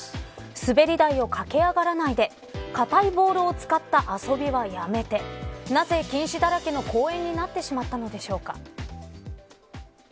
すべりだいをかけあがらないで固いボールを使った遊びはやめてなぜ禁止だらけの公園になってしまったのでしょうか。